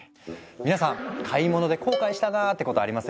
皆さん買い物で後悔したなあってことありません？